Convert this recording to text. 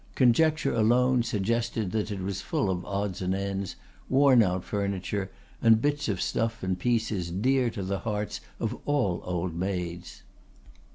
Conjecture alone suggested that it was full of odds and ends, worn out furniture, and bits of stuff and pieces dear to the hearts of all old maids.